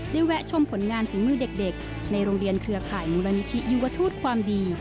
แวะชมผลงานฝีมือเด็กในโรงเรียนเครือข่ายมูลนิธิยุวทูตความดี